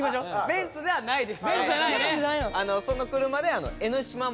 ベンツじゃないよね。